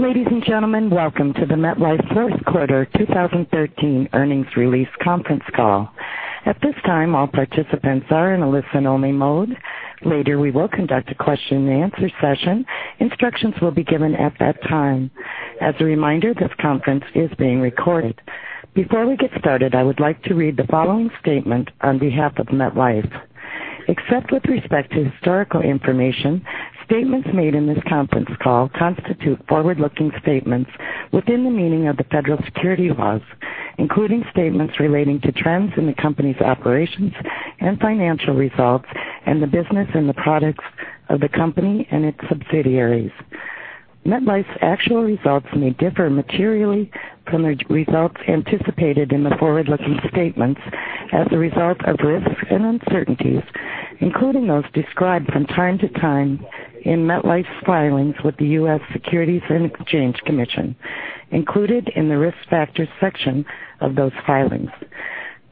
Ladies and gentlemen, welcome to the MetLife fourth quarter 2013 earnings release conference call. At this time, all participants are in a listen-only mode. Later we will conduct a question and answer session. Instructions will be given at that time. As a reminder, this conference is being recorded. Before we get started, I would like to read the following statement on behalf of MetLife. Except with respect to historical information, statements made in this conference call constitute forward-looking statements within the meaning of the federal securities laws, including statements relating to trends in the company's operations and financial results and the business and the products of the company and its subsidiaries. MetLife's actual results may differ materially from the results anticipated in the forward-looking statements as a result of risks and uncertainties, including those described from time to time in MetLife's filings with the U.S. Securities and Exchange Commission, included in the Risk Factors section of those filings.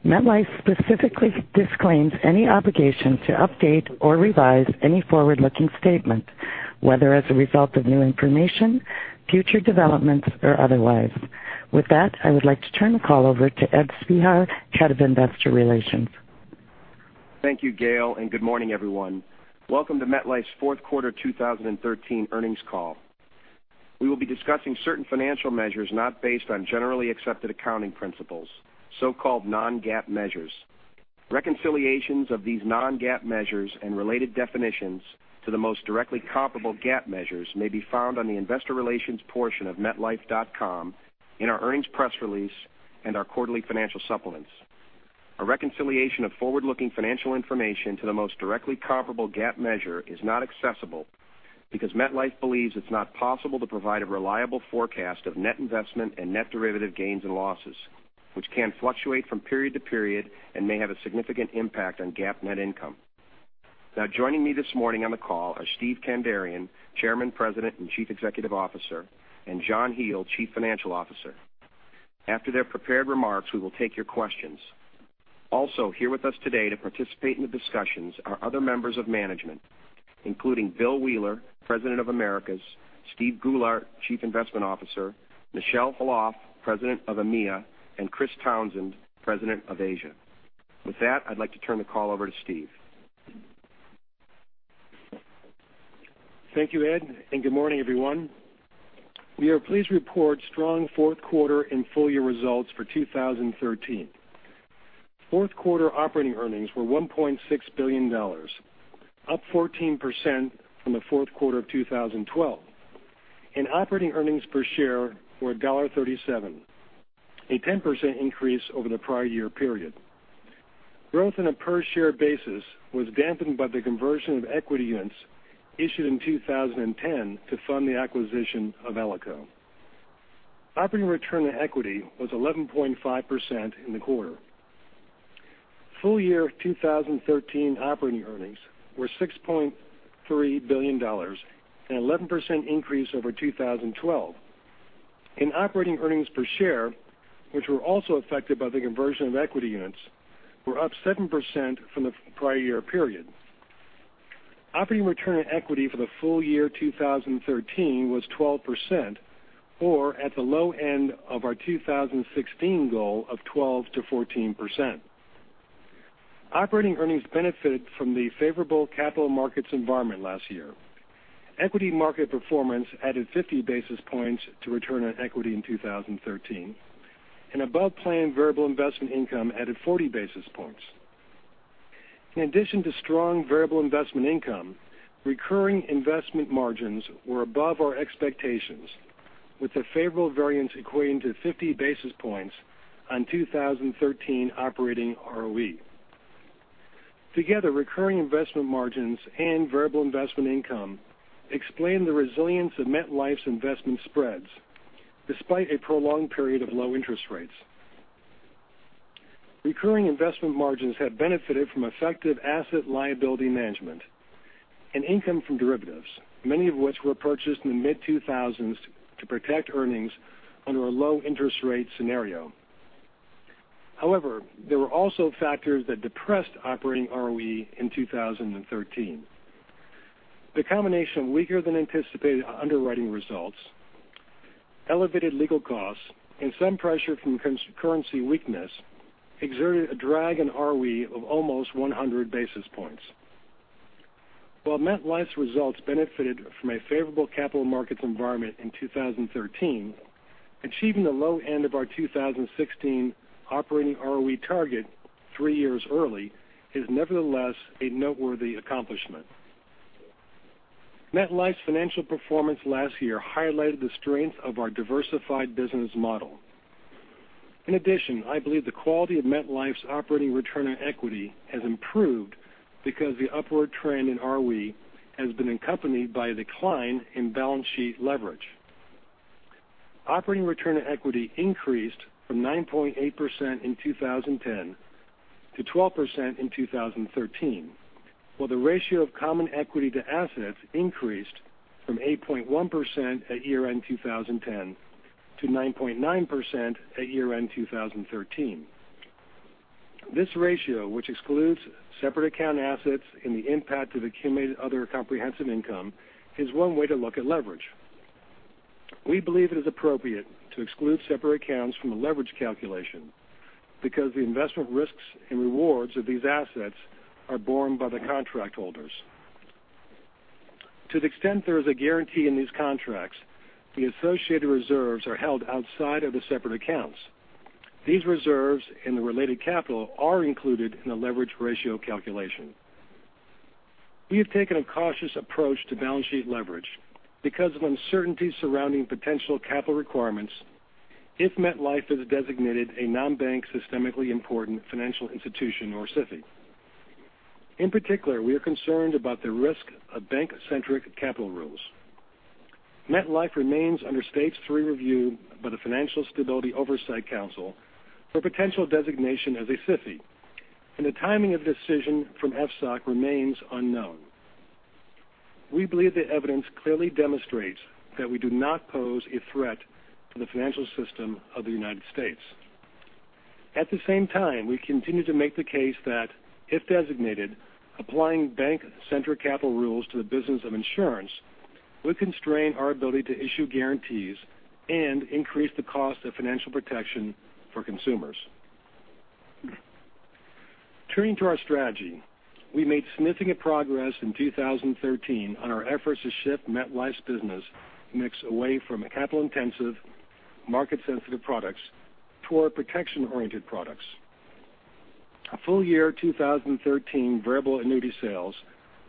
MetLife specifically disclaims any obligation to update or revise any forward-looking statement, whether as a result of new information, future developments or otherwise. With that, I would like to turn the call over to Ed Spehar, Head of Investor Relations. Thank you, Gail, and good morning, everyone. Welcome to MetLife's fourth quarter 2013 earnings call. We will be discussing certain financial measures not based on generally accepted accounting principles, so-called non-GAAP measures. Reconciliations of these non-GAAP measures and related definitions to the most directly comparable GAAP measures may be found on the investor relations portion of metlife.com, in our earnings press release and our quarterly financial supplements. A reconciliation of forward-looking financial information to the most directly comparable GAAP measure is not accessible because MetLife believes it's not possible to provide a reliable forecast of net investment and net derivative gains and losses, which can fluctuate from period to period and may have a significant impact on GAAP net income. Now, joining me this morning on the call are Steven Kandarian, Chairman, President and Chief Executive Officer, and John Hele, Chief Financial Officer. After their prepared remarks, we will take your questions. Also here with us today to participate in the discussions are other members of management, including William Wheeler, President of Americas, Steven Goulart, Chief Investment Officer, Michel Khalaf, President of EMEA, and Christopher Townsend, President of Asia. With that, I'd like to turn the call over to Steve. Thank you, Ed, good morning, everyone. We are pleased to report strong fourth quarter and full year results for 2013. Fourth quarter operating earnings were $1.6 billion, up 14% from the fourth quarter of 2012, and operating earnings per share were $1.37, a 10% increase over the prior year period. Growth in a per share basis was dampened by the conversion of equity units issued in 2010 to fund the acquisition of Alico. Operating return on equity was 11.5% in the quarter. Full year 2013 operating earnings were $6.3 billion, an 11% increase over 2012, operating earnings per share, which were also affected by the conversion of equity units, were up 7% from the prior year period. Operating return on equity for the full year 2013 was 12%, or at the low end of our 2016 goal of 12%-14%. Operating earnings benefited from the favorable capital markets environment last year. Equity market performance added 50 basis points to return on equity in 2013, above-plan variable investment income added 40 basis points. In addition to strong variable investment income, recurring investment margins were above our expectations, with the favorable variance equating to 50 basis points on 2013 operating ROE. Together, recurring investment margins and variable investment income explain the resilience of MetLife's investment spreads despite a prolonged period of low interest rates. Recurring investment margins have benefited from effective asset liability management and income from derivatives, many of which were purchased in the mid-2000s to protect earnings under a low interest rate scenario. However, there were also factors that depressed operating ROE in 2013. The combination of weaker than anticipated underwriting results, elevated legal costs, some pressure from currency weakness exerted a drag on ROE of almost 100 basis points. While MetLife's results benefited from a favorable capital markets environment in 2013, achieving the low end of our 2016 operating ROE target three years early is nevertheless a noteworthy accomplishment. MetLife's financial performance last year highlighted the strength of our diversified business model. In addition, I believe the quality of MetLife's operating return on equity has improved because the upward trend in ROE has been accompanied by a decline in balance sheet leverage. Operating return on equity increased from 9.8% in 2010 to 12% in 2013, while the ratio of common equity to assets increased from 8.1% at year-end 2010 to 9.9% at year-end 2013. This ratio, which excludes separate account assets and the impact of accumulated other comprehensive income, is one way to look at leverage. We believe it is appropriate to exclude separate accounts from a leverage calculation because the investment risks and rewards of these assets are borne by the contract holders. To the extent there is a guarantee in these contracts, the associated reserves are held outside of the separate accounts. These reserves and the related capital are included in the leverage ratio calculation. We have taken a cautious approach to balance sheet leverage because of uncertainties surrounding potential capital requirements if MetLife is designated a non-bank systemically important financial institution or SIFI. In particular, we are concerned about the risk of bank-centric capital rules. MetLife remains under stage 3 review by the Financial Stability Oversight Council for potential designation as a SIFI, and the timing of decision from FSOC remains unknown. We believe the evidence clearly demonstrates that we do not pose a threat to the financial system of the U.S. At the same time, we continue to make the case that, if designated, applying bank-centric capital rules to the business of insurance would constrain our ability to issue guarantees and increase the cost of financial protection for consumers. Turning to our strategy, we made significant progress in 2013 on our efforts to shift MetLife's business mix away from capital intensive, market sensitive products toward protection oriented products. Full year 2013 variable annuity sales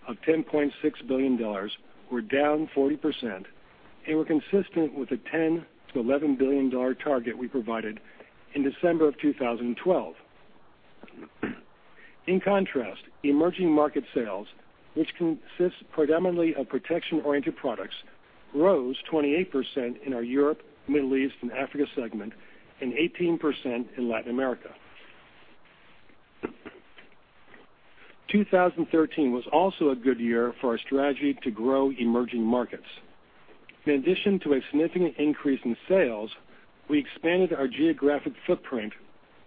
of $10.6 billion were down 40% and were consistent with the $10 billion-$11 billion target we provided in December of 2012. In contrast, emerging market sales, which consists predominantly of protection oriented products, rose 28% in our Europe, Middle East, and Africa segment, and 18% in Latin America. 2013 was also a good year for our strategy to grow emerging markets. In addition to a significant increase in sales, we expanded our geographic footprint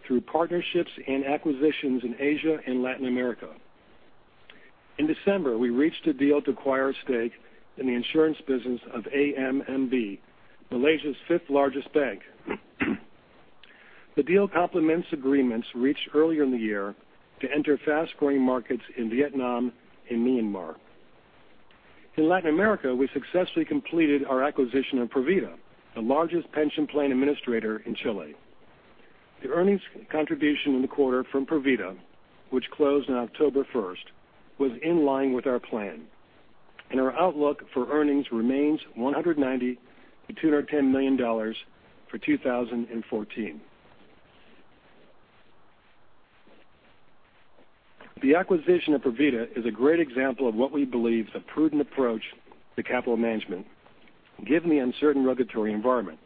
through partnerships and acquisitions in Asia and Latin America. In December, we reached a deal to acquire a stake in the insurance business of AMMB, Malaysia's fifth largest bank. The deal complements agreements reached earlier in the year to enter fast-growing markets in Vietnam and Myanmar. In Latin America, we successfully completed our acquisition of Provida, the largest pension plan administrator in Chile. The earnings contribution in the quarter from Provida, which closed on October first, was in line with our plan, and our outlook for earnings remains $190 million-$210 million for 2014. The acquisition of Provida is a great example of what we believe is a prudent approach to capital management given the uncertain regulatory environment.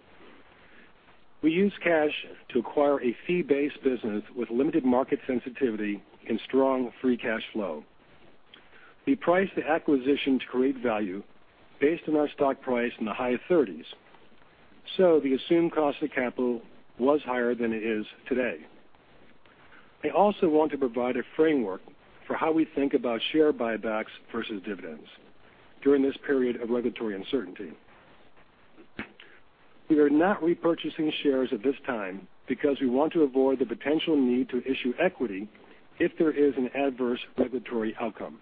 We used cash to acquire a fee-based business with limited market sensitivity and strong free cash flow. We priced the acquisition to create value based on our stock price in the high 30s, so the assumed cost of capital was higher than it is today. I also want to provide a framework for how we think about share buybacks versus dividends during this period of regulatory uncertainty. We are not repurchasing shares at this time because we want to avoid the potential need to issue equity if there is an adverse regulatory outcome.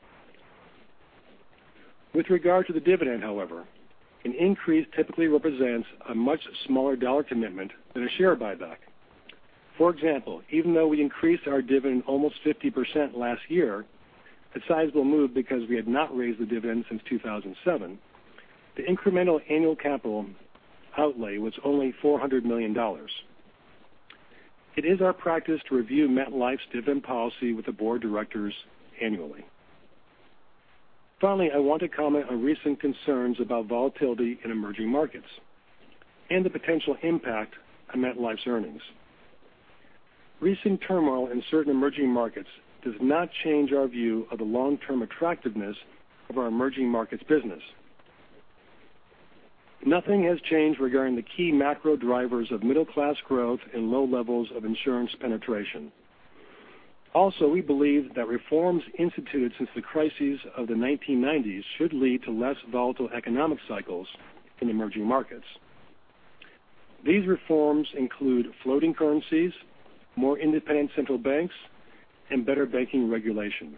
With regard to the dividend, however, an increase typically represents a much smaller dollar commitment than a share buyback. For example, even though we increased our dividend almost 50% last year, a sizable move because we had not raised the dividend since 2007, the incremental annual capital outlay was only $400 million. It is our practice to review MetLife's dividend policy with the board of directors annually. Finally, I want to comment on recent concerns about volatility in emerging markets and the potential impact on MetLife's earnings. Recent turmoil in certain emerging markets does not change our view of the long-term attractiveness of our emerging markets business. Nothing has changed regarding the key macro drivers of middle class growth and low levels of insurance penetration. Also, we believe that reforms instituted since the crises of the 1990s should lead to less volatile economic cycles in emerging markets. These reforms include floating currencies, more independent central banks, and better banking regulation.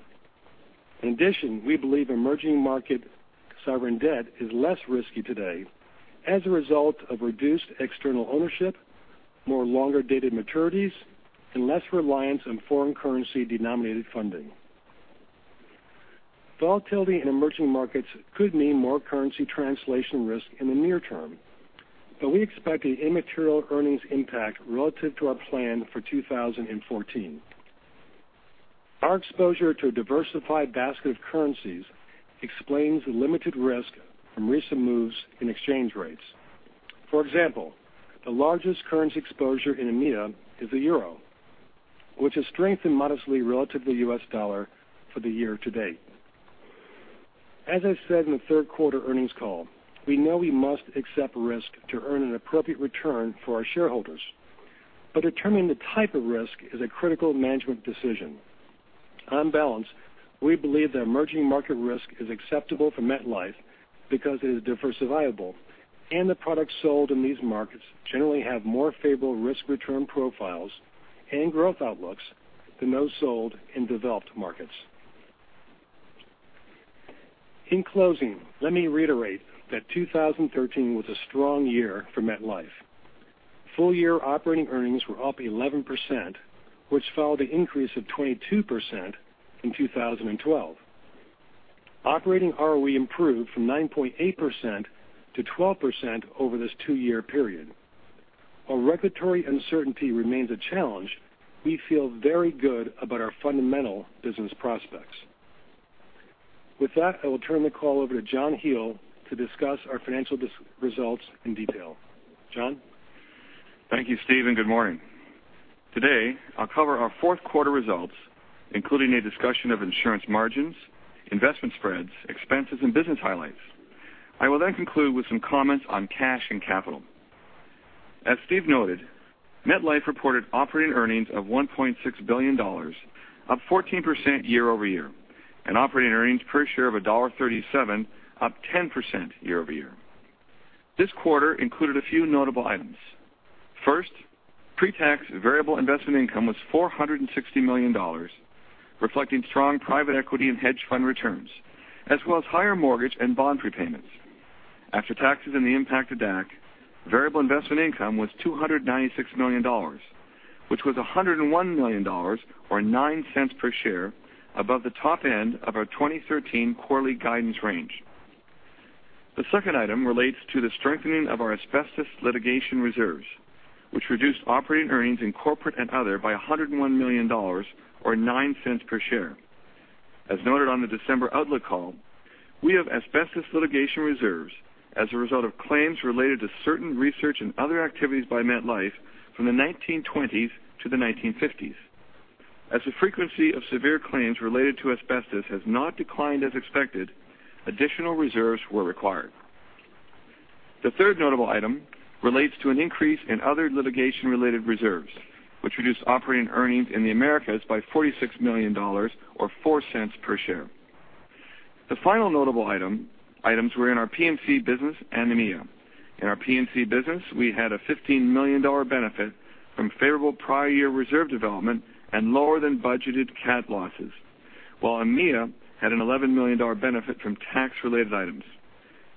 In addition, we believe emerging market sovereign debt is less risky today as a result of reduced external ownership, more longer dated maturities, and less reliance on foreign currency denominated funding. Volatility in emerging markets could mean more currency translation risk in the near term, but we expect an immaterial earnings impact relative to our plan for 2014. Our exposure to a diversified basket of currencies explains the limited risk from recent moves in exchange rates. For example, the largest currency exposure in EMEA is the euro, which has strengthened modestly relative to the US dollar for the year to date. As I said in the third quarter earnings call, we know we must accept risk to earn an appropriate return for our shareholders. Determining the type of risk is a critical management decision. On balance, we believe that emerging market risk is acceptable for MetLife because it is diversifiable, and the products sold in these markets generally have more favorable risk-return profiles and growth outlooks than those sold in developed markets. In closing, let me reiterate that 2013 was a strong year for MetLife. Full year operating earnings were up 11%, which followed an increase of 22% in 2012. Operating ROE improved from 9.8% to 12% over this two-year period. While regulatory uncertainty remains a challenge, we feel very good about our fundamental business prospects. With that, I will turn the call over to John Hele to discuss our financial results in detail. John? Thank you, Steve, and good morning. Today, I'll cover our fourth quarter results, including a discussion of insurance margins, investment spreads, expenses, and business highlights. I will then conclude with some comments on cash and capital. As Steve noted, MetLife reported operating earnings of $1.6 billion, up 14% year-over-year, and operating earnings per share of $1.37, up 10% year-over-year. This quarter included a few notable items. First, pre-tax variable investment income was $460 million, reflecting strong private equity and hedge fund returns, as well as higher mortgage and bond prepayments. After taxes and the impact of DAC, variable investment income was $296 million, which was $101 million, or $0.09 per share above the top end of our 2013 quarterly guidance range. The second item relates to the strengthening of our asbestos litigation reserves, which reduced operating earnings in corporate and other by $101 million, or $0.09 per share. As noted on the December outlook call, we have asbestos litigation reserves as a result of claims related to certain research and other activities by MetLife from the 1920s to the 1950s. As the frequency of severe claims related to asbestos has not declined as expected, additional reserves were required. The third notable item relates to an increase in other litigation-related reserves, which reduced operating earnings in the Americas by $46 million or $0.04 per share. The final notable items were in our P&C business and EMEA. In our P&C business, we had a $15 million benefit from favorable prior year reserve development and lower than budgeted cat losses, while EMEA had an $11 million benefit from tax-related items.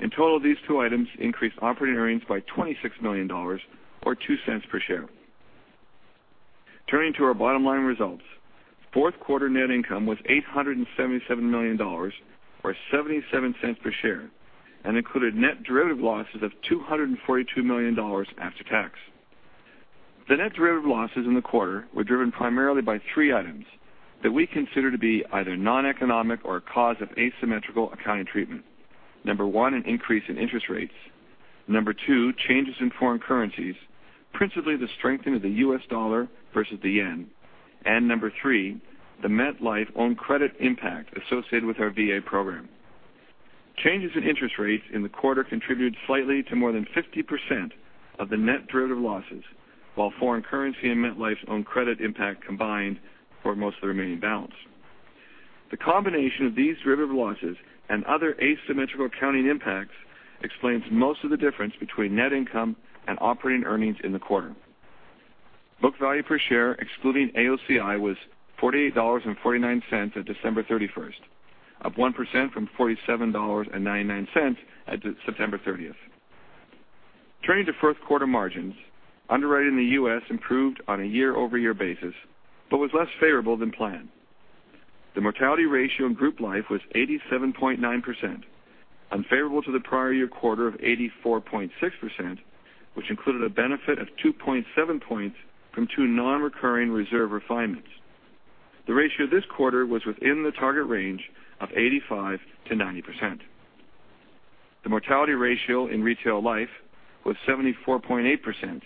In total, these two items increased operating earnings by $26 million or $0.02 per share. Turning to our bottom line results, fourth quarter net income was $877 million, or $0.77 per share, and included net derivative losses of $242 million after tax. The net derivative losses in the quarter were driven primarily by three items that we consider to be either non-economic or a cause of asymmetrical accounting treatment. Number one, an increase in interest rates. Number two, changes in foreign currencies, principally the strengthening of the U.S. dollar versus the yen. Number three, the MetLife own credit impact associated with our VA program. Changes in interest rates in the quarter contributed slightly to more than 50% of the net derivative losses, while foreign currency and MetLife own credit impact combined for most of the remaining balance. The combination of these derivative losses and other asymmetrical accounting impacts explains most of the difference between net income and operating earnings in the quarter. Book value per share, excluding AOCI, was $48.49 at December 31st, up 1% from $47.99 at September 30th. Turning to fourth quarter margins, underwriting in the U.S. improved on a year-over-year basis but was less favorable than planned. The mortality ratio in Group Life was 87.9%, unfavorable to the prior year quarter of 84.6%, which included a benefit of 2.7 points from two non-recurring reserve refinements. The ratio this quarter was within the target range of 85%-90%. The mortality ratio in Retail Life was 74.8%,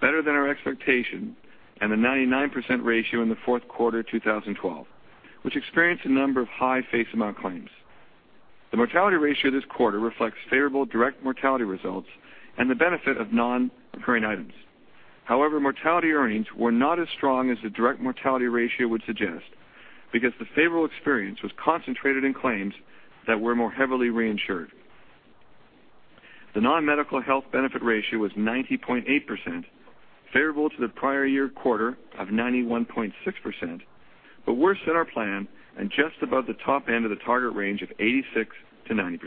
better than our expectation and a 99% ratio in the fourth quarter 2012, which experienced a number of high face amount claims. The mortality ratio this quarter reflects favorable direct mortality results and the benefit of non-recurring items. However, mortality earnings were not as strong as the direct mortality ratio would suggest because the favorable experience was concentrated in claims that were more heavily reinsured. The non-medical health benefit ratio was 90.8%, favorable to the prior year quarter of 91.6%, but worse than our plan and just above the top end of the target range of 86%-90%.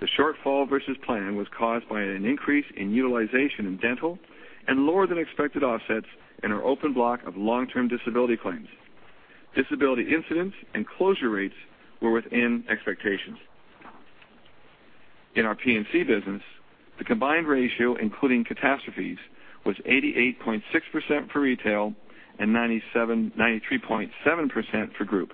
The shortfall versus plan was caused by an increase in utilization in dental and lower than expected offsets in our open block of long-term disability claims. Disability incidents and closure rates were within expectations. In our P&C business, the combined ratio, including catastrophes, was 88.6% for retail and 93.7% for group.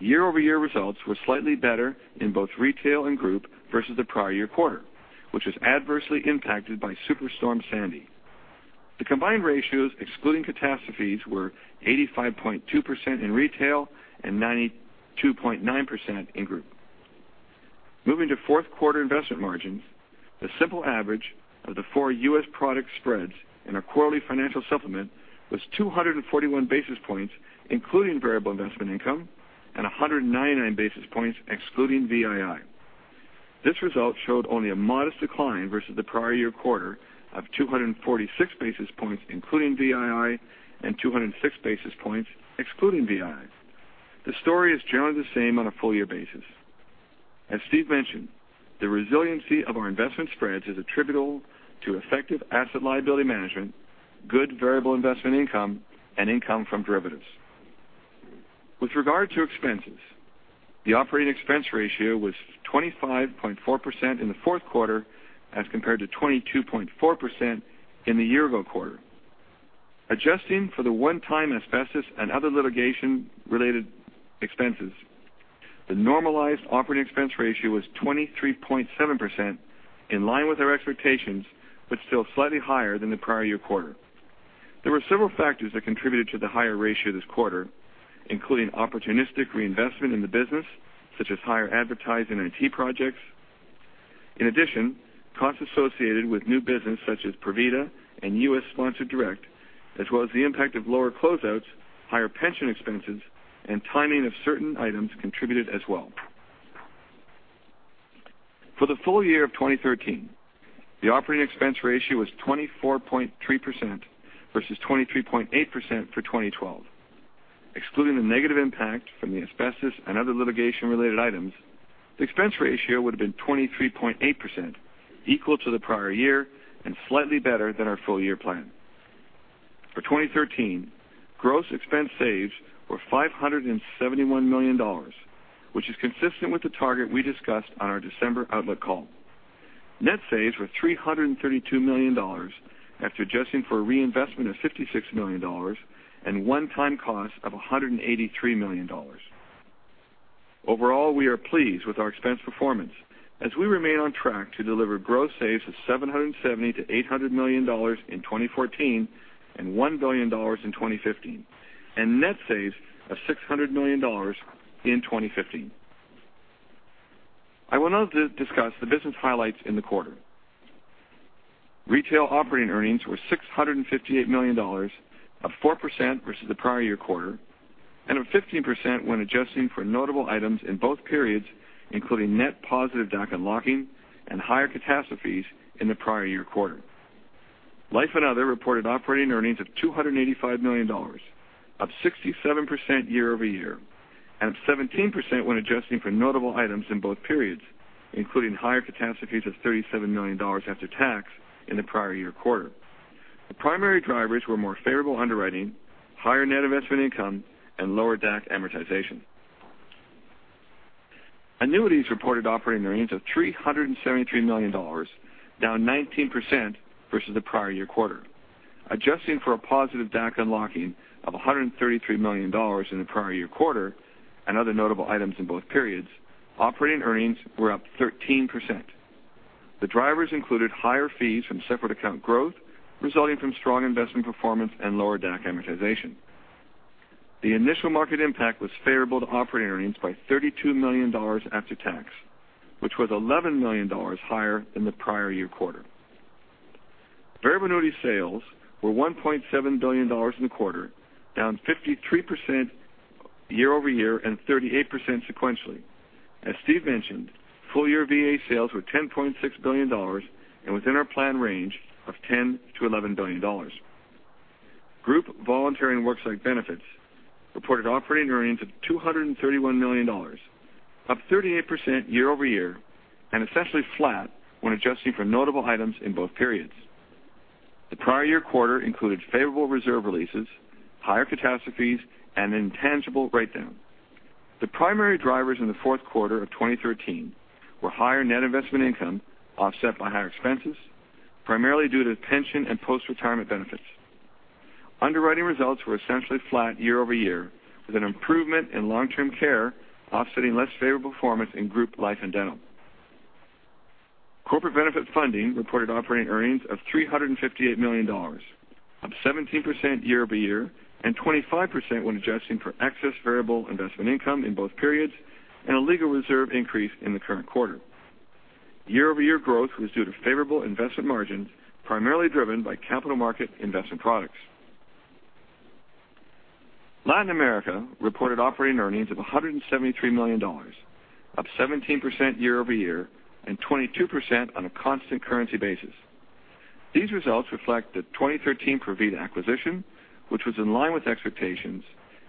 Year-over-year results were slightly better in both retail and group versus the prior year quarter, which was adversely impacted by Superstorm Sandy. The combined ratios, excluding catastrophe, were 85.2% in retail and 92.9% in group. Moving to fourth quarter investment margins, the simple average of the four U.S. product spreads in our quarterly financial supplement was 241 basis points, including variable investment income and 199 basis points excluding VII. This result showed only a modest decline versus the prior year quarter of 246 basis points, including VII, and 206 basis points excluding VII. The story is generally the same on a full year basis. As Steve mentioned, the resiliency of our investment spreads is attributable to effective asset liability management, good variable investment income, and income from derivatives. With regard to expenses, the operating expense ratio was 25.4% in the fourth quarter as compared to 22.4% in the year ago quarter. Adjusting for the one-time asbestos and other litigation-related expenses, the normalized operating expense ratio was 23.7%, in line with our expectations, but still slightly higher than the prior year quarter. There were several factors that contributed to the higher ratio this quarter, including opportunistic reinvestment in the business such as higher advertising and IT projects. In addition, costs associated with new business such as Provida and U.S. Sponsored Direct, as well as the impact of lower closeouts, higher pension expenses, and timing of certain items contributed as well. For the full year of 2013, the operating expense ratio was 24.3% versus 23.8% for 2012. Excluding the negative impact from the asbestos and other litigation-related items, the expense ratio would have been 23.8%, equal to the prior year and slightly better than our full year plan. For 2013, gross expense saves were $571 million, which is consistent with the target we discussed on our December outlook call. Net saves were $332 million after adjusting for a reinvestment of $56 million and one-time cost of $183 million. Overall, we are pleased with our expense performance as we remain on track to deliver gross saves of $770 million-$800 million in 2014 and $1 billion in 2015, and net saves of $600 million in 2015. I will now discuss the business highlights in the quarter. Retail operating earnings were $658 million, up 4% versus the prior year quarter, and up 15% when adjusting for notable items in both periods, including net positive DAC unlocking and higher catastrophe in the prior year quarter. Life and other reported operating earnings of $285 million, up 67% year-over-year, and up 17% when adjusting for notable items in both periods, including higher catastrophes of $37 million after tax in the prior year quarter. The primary drivers were more favorable underwriting, higher net investment income, and lower DAC amortization. Annuities reported operating earnings of $373 million, down 19% versus the prior year quarter. Adjusting for a positive DAC unlocking of $133 million in the prior year quarter and other notable items in both periods, operating earnings were up 13%. The drivers included higher fees from separate account growth resulting from strong investment performance and lower DAC amortization. The initial market impact was favorable to operating earnings by $32 million after tax, which was $11 million higher than the prior year quarter. Variable annuity sales were $1.7 billion in the quarter, down 53% year-over-year and 38% sequentially. As Steve mentioned, full year VA sales were $10.6 billion and within our plan range of $10 billion-$11 billion. Group voluntary and worksite benefits reported operating earnings of $231 million, up 38% year over year and essentially flat when adjusting for notable items in both periods. The prior year quarter included favorable reserve releases, higher catastrophes, and an intangible write down. The primary drivers in the fourth quarter of 2013 were higher net investment income offset by higher expenses, primarily due to pension and post retirement benefits. Underwriting results were essentially flat year-over-year, with an improvement in long-term care offsetting less favorable performance in group life and dental. Corporate benefit funding reported operating earnings of $358 million, up 17% year-over-year and 25% when adjusting for excess variable investment income in both periods and a legal reserve increase in the current quarter. Year-over-year growth was due to favorable investment margins, primarily driven by capital market investment products. Latin America reported operating earnings of $173 million, up 17% year-over-year and 22% on a constant currency basis. These results reflect the 2013 Provida acquisition, which was in line with expectations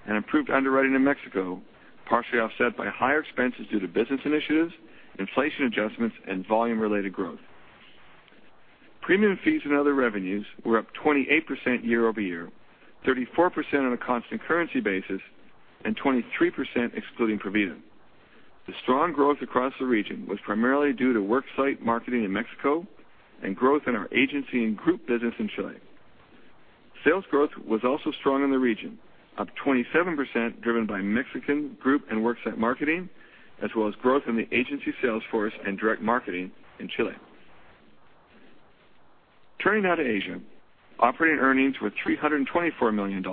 and improved underwriting in Mexico, partially offset by higher expenses due to business initiatives, inflation adjustments, and volume related growth. Premium fees and other revenues were up 28% year-over-year, 34% on a constant currency basis, and 23% excluding Provida. The strong growth across the region was primarily due to worksite marketing in Mexico and growth in our agency and group business in Chile. Sales growth was also strong in the region, up 27%, driven by Mexican group and worksite marketing, as well as growth in the agency sales force and direct marketing in Chile. Turning now to Asia. Operating earnings were $324 million,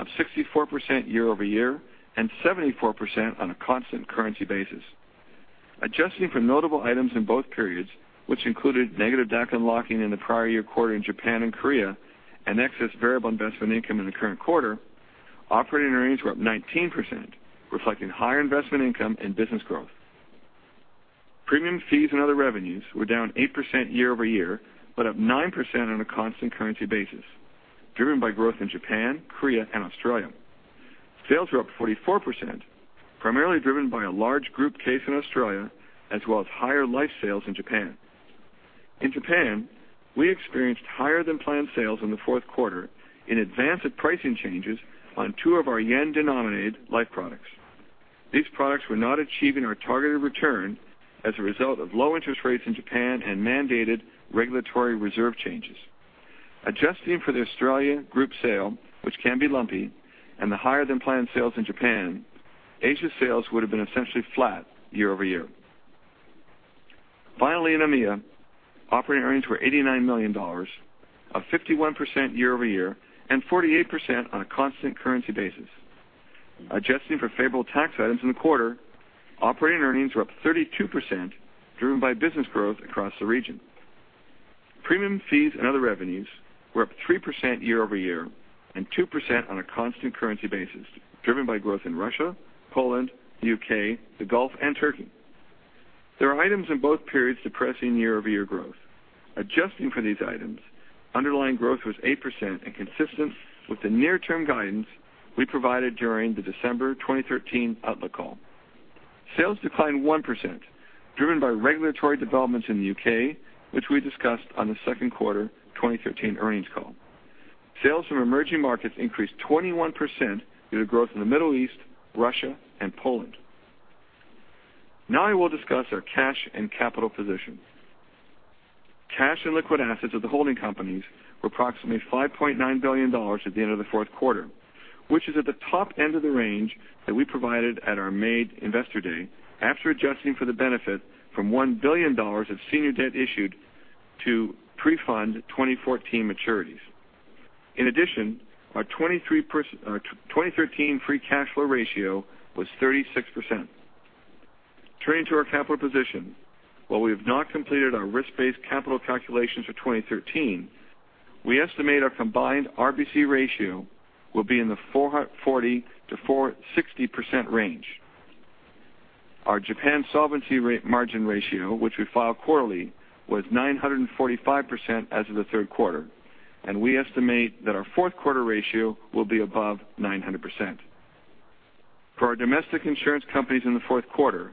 up 64% year-over-year, and 74% on a constant currency basis. Adjusting for notable items in both periods, which included negative DAC unlocking in the prior year quarter in Japan and Korea and excess variable investment income in the current quarter, operating earnings were up 19%, reflecting higher investment income and business growth. Premium fees and other revenues were down 8% year-over-year, but up 9% on a constant currency basis, driven by growth in Japan, Korea and Australia. Sales were up 44%, primarily driven by a large group case in Australia, as well as higher life sales in Japan. In Japan, we experienced higher than planned sales in the fourth quarter in advance of pricing changes on two of our yen-denominated life products. These products were not achieving our targeted return as a result of low interest rates in Japan and mandated regulatory reserve changes. Adjusting for the Australian group sale, which can be lumpy, and the higher than planned sales in Japan, Asia sales would have been essentially flat year-over-year. Finally, in EMEA, operating earnings were $89 million, up 51% year-over-year and 48% on a constant currency basis. Adjusting for favorable tax items in the quarter, operating earnings were up 32%, driven by business growth across the region. Premium fees and other revenues were up 3% year-over-year, and 2% on a constant currency basis, driven by growth in Russia, Poland, the U.K., the Gulf and Turkey. There are items in both periods depressing year-over-year growth. Adjusting for these items, underlying growth was 8% and consistent with the near-term guidance we provided during the December 2013 outlook call. Sales declined 1%, driven by regulatory developments in the U.K., which we discussed on the second quarter 2013 earnings call. Sales from emerging markets increased 21% due to growth in the Middle East, Russia and Poland. Now I will discuss our cash and capital position. Cash and liquid assets of the holding companies were approximately $5.9 billion at the end of the fourth quarter, which is at the top end of the range that we provided at our May investor day, after adjusting for the benefit from $1 billion of senior debt issued to pre-fund 2014 maturities. In addition, our 2013 free cash flow ratio was 36%. Turning to our capital position, while we have not completed our risk-based capital calculations for 2013, we estimate our combined RBC ratio will be in the 440%-460% range. Our Japan solvency margin ratio, which we file quarterly, was 945% as of the third quarter, and we estimate that our fourth quarter ratio will be above 900%. For our domestic insurance companies in the fourth quarter,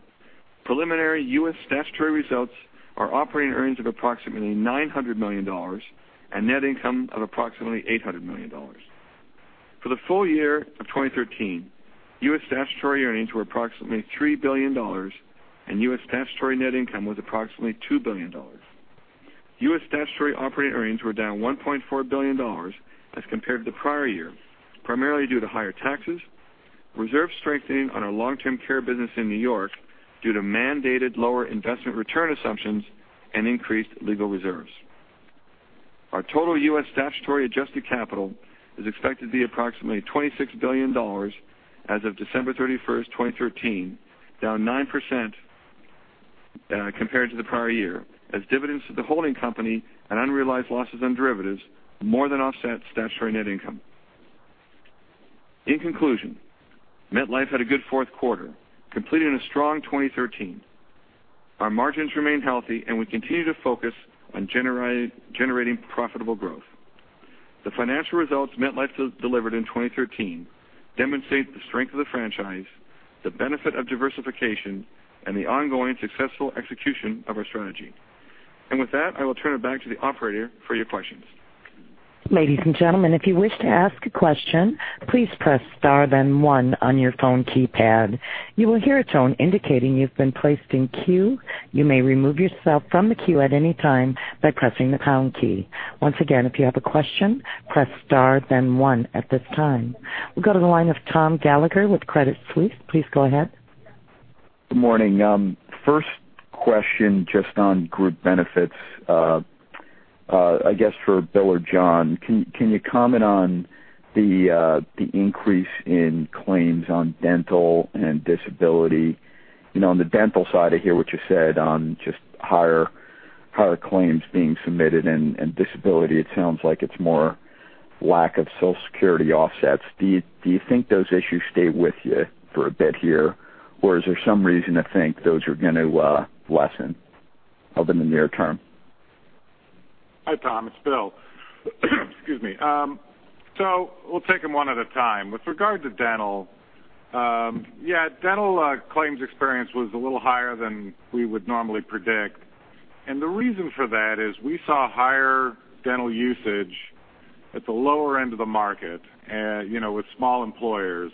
preliminary U.S. statutory results are operating earnings of approximately $900 million and net income of approximately $800 million. For the full year of 2013, U.S. statutory earnings were approximately $3 billion and U.S. statutory net income was approximately $2 billion. U.S. statutory operating earnings were down $1.4 billion as compared to the prior year, primarily due to higher taxes, reserve strengthening on our long-term care business in New York due to mandated lower investment return assumptions, and increased legal reserves. Our total U.S. statutory adjusted capital is expected to be approximately $26 billion as of December 31st, 2013, down 9% compared to the prior year as dividends to the holding company and unrealized losses on derivatives more than offset statutory net income. In conclusion, MetLife had a good fourth quarter, completing a strong 2013. Our margins remain healthy, and we continue to focus on generating profitable growth. The financial results MetLife delivered in 2013 demonstrate the strength of the franchise, the benefit of diversification, and the ongoing successful execution of our strategy. With that, I will turn it back to the operator for your questions. Ladies and gentlemen, if you wish to ask a question, please press star then one on your phone keypad. You will hear a tone indicating you've been placed in queue. You may remove yourself from the queue at any time by pressing the pound key. Once again, if you have a question, press star then one at this time. We'll go to the line of Thomas Gallagher with Credit Suisse. Please go ahead. Good morning. First question just on group benefits, I guess for Bill or John. Can you comment on the increase in claims on dental and disability? On the dental side, I hear what you said on just higher claims being submitted and disability, it sounds like it's more lack of Social Security offsets. Do you think those issues stay with you for a bit here? Is there some reason to think those are going to lessen up in the near term? Hi, Tom, it's Bill. Excuse me. We'll take them one at a time. With regard to dental, yeah, dental claims experience was a little higher than we would normally predict. The reason for that is we saw higher dental usage at the lower end of the market with small employers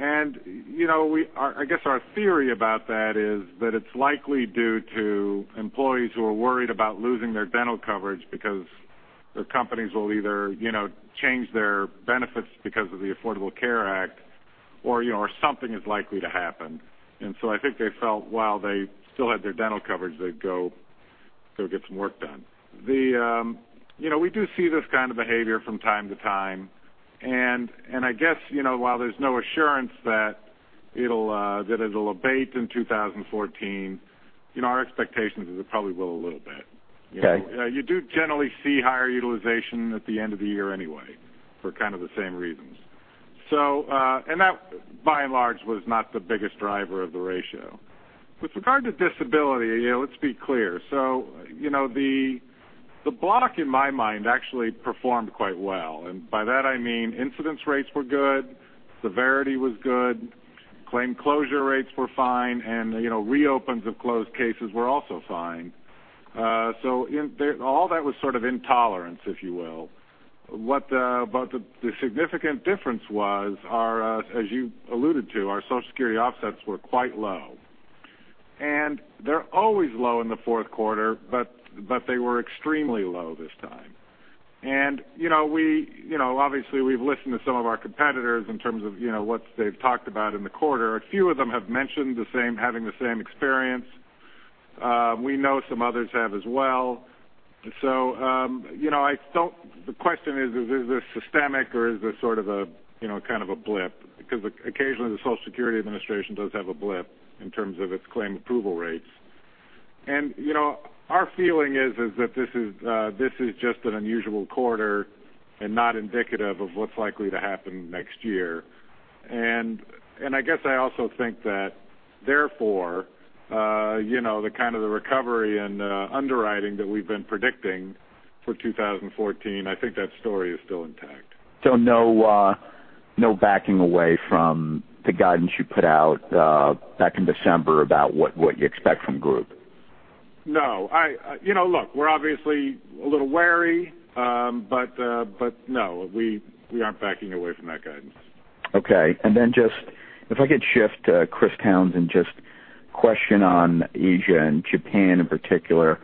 I guess our theory about that is that it's likely due to employees who are worried about losing their dental coverage because their companies will either change their benefits because of the Affordable Care Act or something is likely to happen. I think they felt while they still had their dental coverage, they'd go get some work done. We do see this kind of behavior from time to time, and I guess, while there's no assurance that it'll abate in 2014, our expectations is it probably will a little bit. Okay. You do generally see higher utilization at the end of the year anyway, for kind of the same reasons. That, by and large, was not the biggest driver of the ratio. With regard to disability, let's be clear. The block, in my mind, actually performed quite well. By that I mean incidence rates were good, severity was good, claim closure rates were fine, and reopens of closed cases were also fine. All that was sort of in tolerance, if you will. The significant difference was our, as you alluded to, our Social Security offsets were quite low, and they're always low in the fourth quarter, but they were extremely low this time. Obviously, we've listened to some of our competitors in terms of what they've talked about in the quarter. A few of them have mentioned having the same experience. We know some others have as well. The question is this systemic or is this sort of a blip? Occasionally the Social Security Administration does have a blip in terms of its claim approval rates. Our feeling is that this is just an unusual quarter and not indicative of what's likely to happen next year. I guess I also think that therefore, the kind of the recovery and underwriting that we've been predicting for 2014, I think that story is still intact. No backing away from the guidance you put out back in December about what you expect from Group? No. Look, we're obviously a little wary. No, we aren't backing away from that guidance. Okay. Just if I could shift to Christopher Townsend, just a question on Asia and Japan in particular.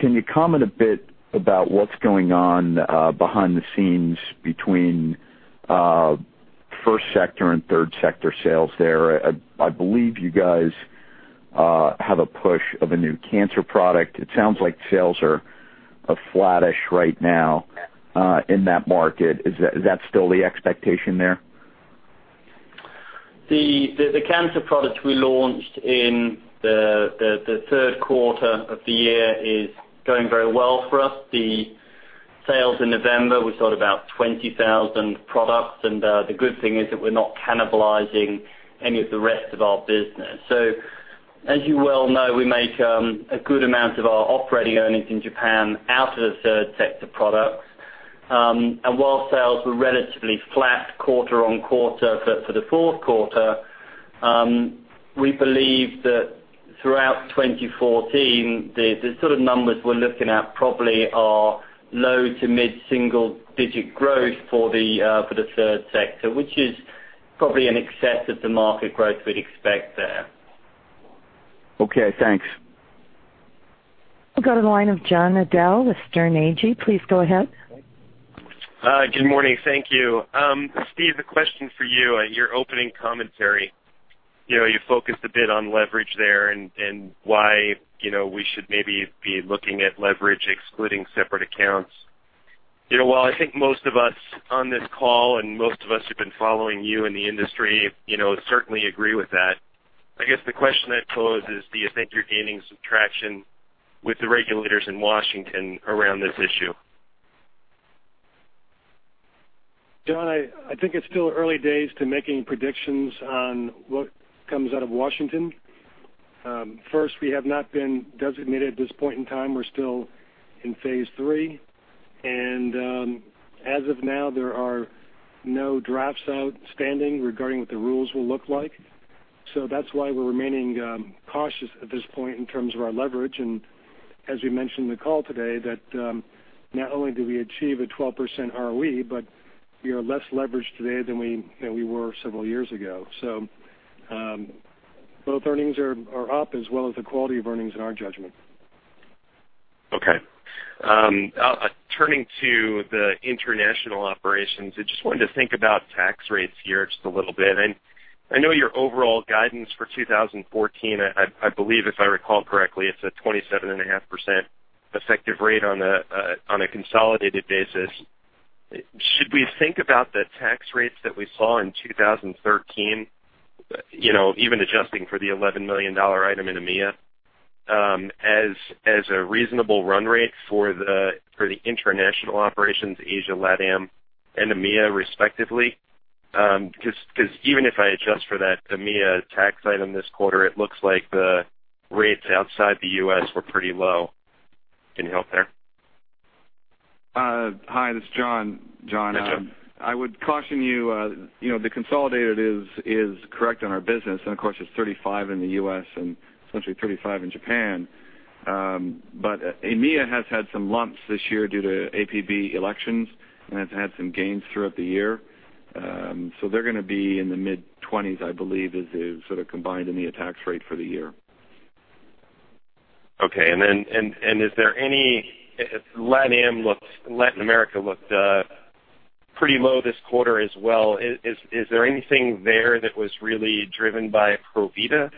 Can you comment a bit about what's going on behind the scenes between first sector and third sector sales there? I believe you guys have a push of a new cancer product. It sounds like sales are flattish right now in that market. Is that still the expectation there? The cancer product we launched in the third quarter of the year is going very well for us. The sales in November, we sold about 20,000 products. The good thing is that we're not cannibalizing any of the rest of our business. As you well know, we make a good amount of our operating earnings in Japan out of the third sector products. While sales were relatively flat quarter-on-quarter for the fourth quarter, we believe that throughout 2014, the sort of numbers we're looking at probably are low to mid single digit growth for the third sector, which is probably in excess of the market growth we'd expect there. Okay, thanks. We'll go to the line of John Nadel with Sterne Agee. Please go ahead. Hi. Good morning. Thank you. Steve, a question for you. In your opening commentary, you focused a bit on leverage there and why we should maybe be looking at leverage excluding separate accounts. While I think most of us on this call and most of us who've been following you in the industry certainly agree with that, I guess the question I'd pose is, do you think you're gaining some traction with the regulators in Washington around this issue? John, I think it's still early days to making predictions on what comes out of Washington. We have not been designated at this point in time. We're still in phase 3, and as of now, there are no drafts outstanding regarding what the rules will look like. That's why we're remaining cautious at this point in terms of our leverage, and as we mentioned in the call today, that not only do we achieve a 12% ROE, but we are less leveraged today than we were several years ago. Both earnings are up as well as the quality of earnings in our judgment. Okay. Turning to the international operations, I just wanted to think about tax rates here just a little bit. I know your overall guidance for 2014, I believe if I recall correctly, it's a 27.5% effective rate on a consolidated basis. Should we think about the tax rates that we saw in 2013, even adjusting for the $11 million item in EMEA, as a reasonable run rate for the international operations, Asia, LATAM and EMEA respectively? Even if I adjust for that EMEA tax item this quarter, it looks like the rates outside the U.S. were pretty low. Any help there? Hi, this is John. Hi, John. I would caution you, the consolidated is correct on our business, of course it's 35% in the U.S. and essentially 35% in Japan. EMEA has had some lumps this year due to APB elections and has had some gains throughout the year. They're going to be in the mid-20s, I believe, is the sort of combined EMEA tax rate for the year. Okay. Latin America looked pretty low this quarter as well. Is there anything there that was really driven by Provida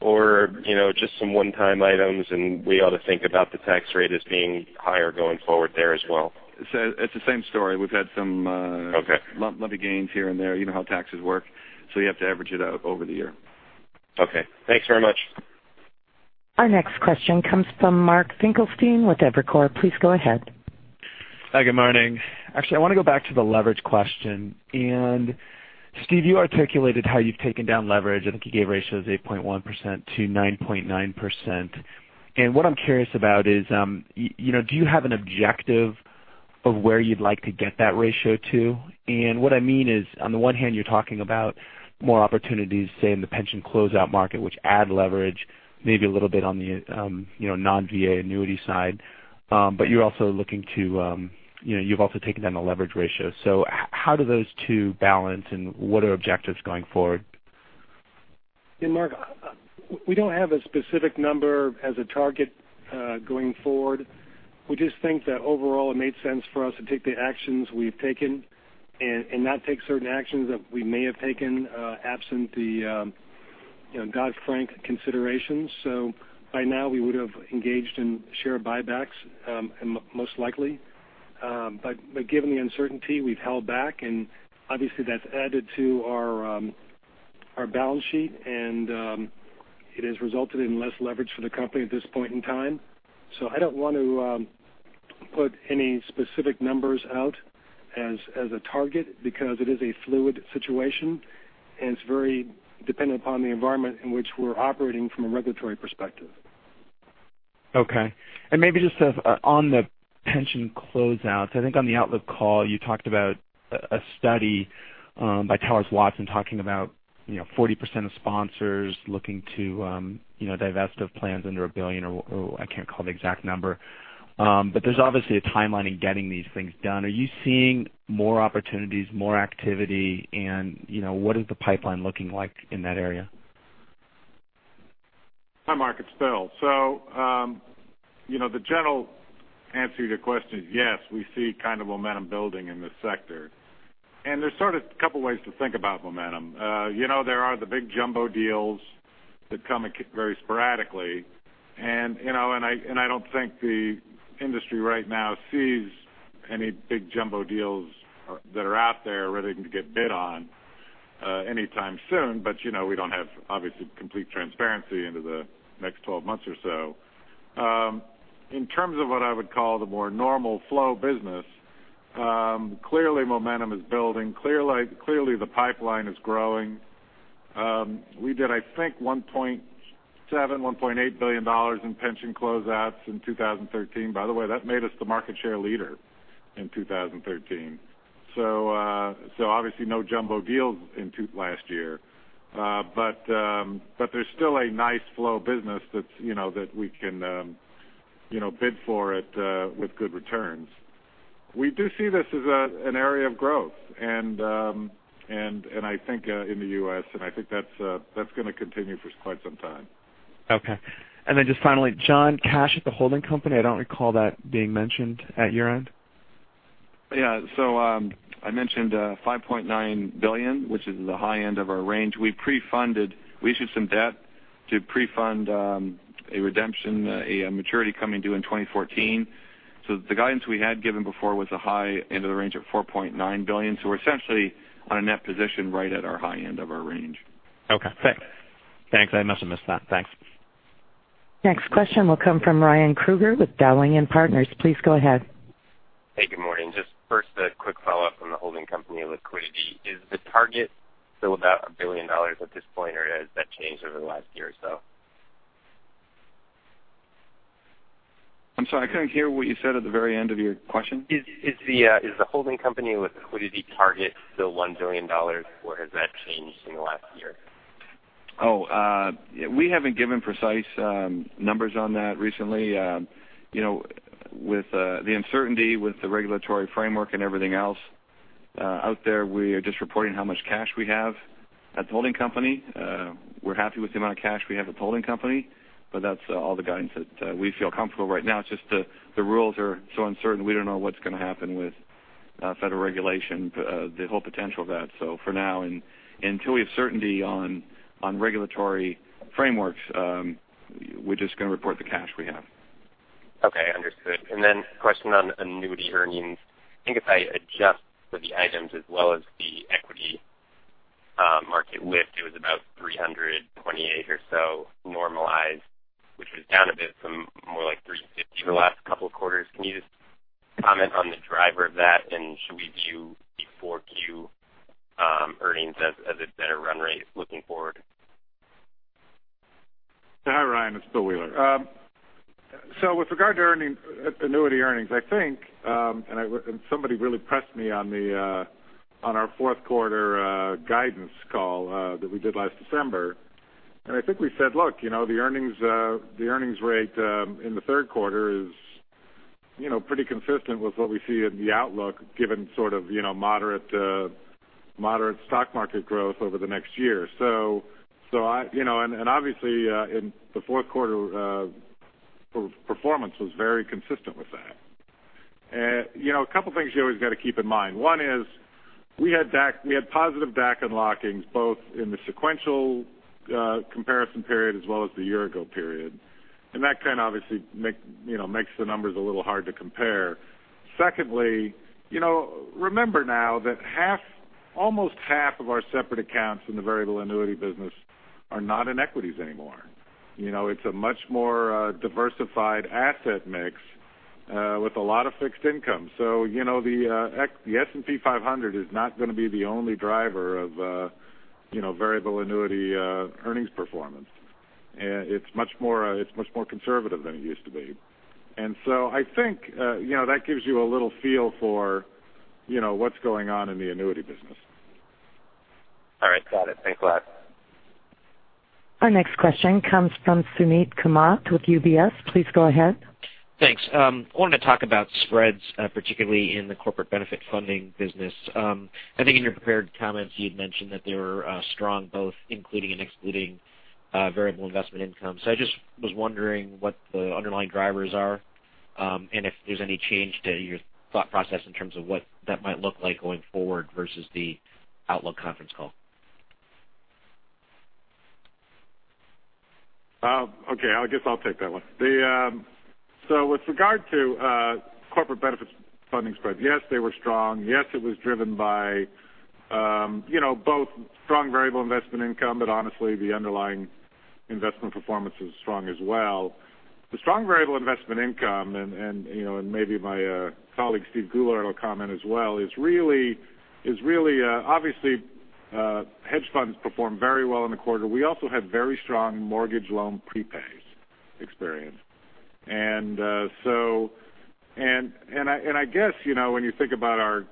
or just some one-time items, we ought to think about the tax rate as being higher going forward there as well? It's the same story. Okay lumpy gains here and there. You know how taxes work, so you have to average it out over the year. Okay. Thanks very much. Our next question comes from Mark Finkelstein with Evercore. Please go ahead. Hi. Good morning. Actually, I want to go back to the leverage question. Steve, you articulated how you've taken down leverage. I think you gave ratios 8.1%-9.9%. What I'm curious about is, do you have an objective of where you'd like to get that ratio to? What I mean is, on the one hand, you're talking about more opportunities, say, in the pension closeout market, which add leverage maybe a little bit on the non-VA annuity side. You've also taken down the leverage ratio. How do those two balance, and what are objectives going forward? Mark, we don't have a specific number as a target going forward. We just think that overall, it made sense for us to take the actions we've taken and not take certain actions that we may have taken absent the Dodd-Frank considerations. By now, we would have engaged in share buybacks, most likely. Given the uncertainty, we've held back, and obviously, that's added to our balance sheet, and it has resulted in less leverage for the company at this point in time. I don't want to put any specific numbers out as a target because it is a fluid situation, and it's very dependent upon the environment in which we're operating from a regulatory perspective. Okay. Maybe just on the pension closeouts, I think on the outlook call, you talked about a study by Towers Watson talking about 40% of sponsors looking to divest of plans under $1 billion or I can't recall the exact number. There's obviously a timeline in getting these things done. Are you seeing more opportunities, more activity, and what is the pipeline looking like in that area? Hi, Mark. It's Bill. The general answer to your question is yes, we see kind of momentum building in this sector. There's sort of a couple ways to think about momentum. There are the big jumbo deals that come very sporadically, and I don't think the industry right now sees any big jumbo deals that are out there ready to get bid on anytime soon. We don't have, obviously, complete transparency into the next 12 months or so. In terms of what I would call the more normal flow business, clearly momentum is building. Clearly, the pipeline is growing. We did, I think, $1.7 billion, $1.8 billion in pension closeouts in 2013. By the way, that made us the market share leader in 2013. Obviously, no jumbo deals last year. There's still a nice flow of business that we can bid for it with good returns. We do see this as an area of growth and I think in the U.S., and I think that's going to continue for quite some time. Just finally, John, cash at the holding company. I don't recall that being mentioned at your end. Yeah. I mentioned $5.9 billion, which is the high end of our range. We issued some debt to pre-fund a redemption, a maturity coming due in 2014. The guidance we had given before was the high end of the range of $4.9 billion. We're essentially on a net position right at our high end of our range. Okay. Thanks. I must have missed that. Thanks. Next question will come from Ryan Krueger with Dowling & Partners. Please go ahead. Hey, good morning. Just first, a quick follow-up on the holding company liquidity. Is the target still about $1 billion at this point, or has that changed over the last year or so? I'm sorry, I couldn't hear what you said at the very end of your question. Is the holding company liquidity target still $1 billion, or has that changed in the last year? Oh, we haven't given precise numbers on that recently. With the uncertainty with the regulatory framework and everything else out there, we are just reporting how much cash we have at the holding company. We're happy with the amount of cash we have at the holding company, that's all the guidance that we feel comfortable right now. It's just the rules are so uncertain, we don't know what's going to happen with federal regulation, the whole potential of that. For now, until we have certainty on regulatory frameworks, we're just going to report the cash we have. Okay, understood. A question on annuity earnings. I think if I adjust for the items as well as the equity market lift, it was about $328 or so normalized, which was down a bit from more like $350 the last couple of quarters. Can you just comment on the driver of that? Should we view Q4 earnings as a better run rate looking forward? Hi, Ryan. It's William Wheeler. With regard to annuity earnings, I think, somebody really pressed me on our fourth quarter guidance call that we did last December. I think we said, look, the earnings rate in the third quarter is pretty consistent with what we see in the outlook given moderate stock market growth over the next year. Obviously, in the fourth quarter, performance was very consistent with that. A couple things you always got to keep in mind. One is we had positive DAC unlockings both in the sequential comparison period as well as the year-ago period. That kind of obviously makes the numbers a little hard to compare. Secondly, remember now that almost half of our separate accounts in the variable annuity business are not in equities anymore. It's a much more diversified asset mix with a lot of fixed income. The S&P 500 is not going to be the only driver of variable annuity earnings performance. It's much more conservative than it used to be. I think that gives you a little feel for what's going on in the annuity business. All right. Got it. Thanks a lot. Our next question comes from Suneet Kamath with UBS. Please go ahead. Thanks. I wanted to talk about spreads, particularly in the Corporate Benefit Funding business. I just was wondering what the underlying drivers are, and if there's any change to your thought process in terms of what that might look like going forward versus the outlook conference call. Okay. I guess I'll take that one. With regard to Corporate Benefits Funding spreads, yes, they were strong. Yes, it was driven by both strong variable investment income, honestly, the underlying investment performance was strong as well. The strong variable investment income, and maybe my colleague, Steve Goulart, will comment as well, obviously, hedge funds performed very well in the quarter. We also had very strong mortgage loan prepays experience. I guess, when you think about our